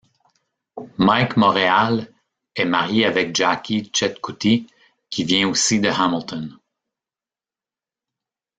Mike Morreale est marié avec Jackie Chetcuti qui vient aussi de Hamilton.